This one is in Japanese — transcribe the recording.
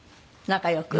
仲良く。